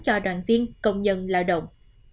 cho đoàn viên công nhân lao động